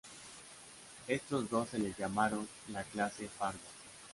Estos dos se les llamaron la clase "Fargo".